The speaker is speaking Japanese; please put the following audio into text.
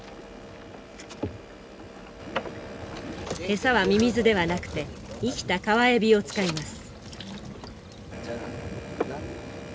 餌はミミズではなくて生きた川エビを使います。